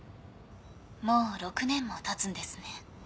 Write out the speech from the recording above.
もう６年もたつんですね。